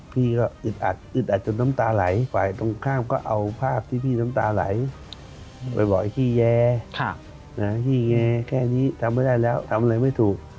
วันแท้แล้วทำอะไรไม่ถูก